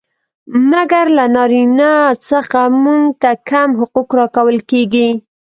مګر له نارينه څخه موږ ته کم حقوق را کول کيږي.